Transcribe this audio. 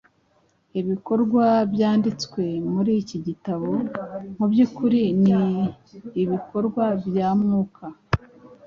Ibikorwa byanditswe muri iki gitabo mu by’ukuri ni ibikorwa bya Mwuka